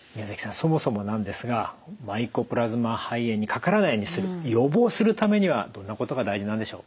そもそもなんですがマイコプラズマ肺炎にかからないようにする予防するためにはどんなことが大事なんでしょう？